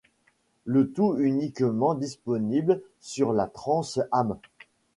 Le tout uniquement disponible sur la Trans Am.